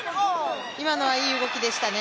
今のはいい動きでしたね。